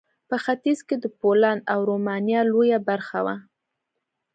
په ختیځ کې د پولنډ او رومانیا لویه برخه وه.